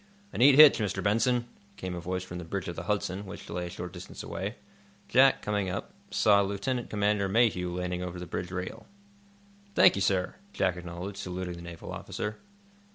"A neat hitch, Mr. Benson," came a voice from the bridge of the "Hudson," which lay a short distance away. Jack, looking up, saw Lieutenant Commander Mayhew leaning over the bridge rail. "Thank you, sir," Jack acknowledged, saluting the naval officer.